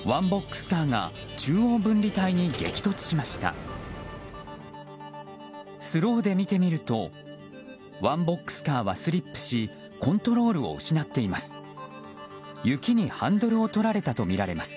スローで見てみるとワンボックスカーはスリップしコントロールを失っています。